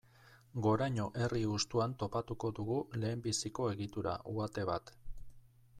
Goraño herri hustuan topatuko dugu lehenbiziko egitura, uhate bat.